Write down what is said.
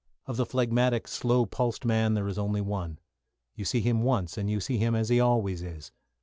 Of the phlegmatic, slow pulsed man there is only one. You see him once and you see him as he always is.